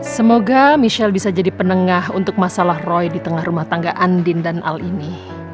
semoga michelle bisa jadi penengah untuk masalah roy di tengah rumah tangga andin dan al ini